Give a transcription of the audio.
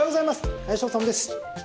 林修です。